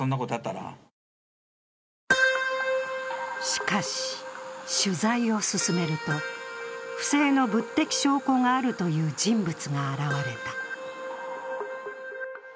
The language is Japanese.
しかし、取材を進めると、不正の物的証拠があるという人物が現れた。